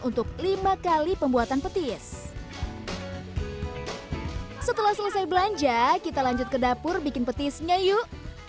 untuk lima kali pembuatan petis setelah selesai belanja kita lanjut ke dapur bikin petisnya yuk